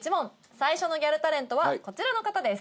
最初のギャルタレントはこちらの方です。